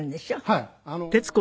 はい。